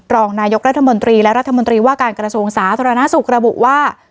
รองนายกรัฐมนตรีการส่งสาธารณสุขระบุว่า